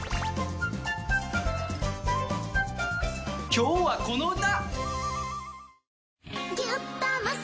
今日はこの歌！